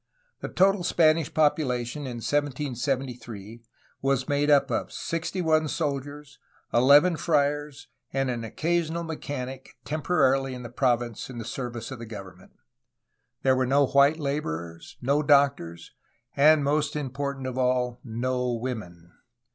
The total Spanish population in 1773 was made up of sixty one soldiers, eleven friars, and an occasional mechanic temporarily in the province in the service of the government. There were no white laborers, no doctors, and, most important of all, no women.